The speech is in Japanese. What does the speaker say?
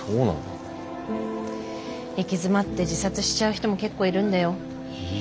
行き詰まって自殺しちゃう人も結構いるんだよ。